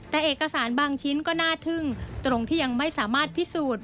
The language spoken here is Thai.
แต่เอกสารบางชิ้นก็น่าทึ่งตรงที่ยังไม่สามารถพิสูจน์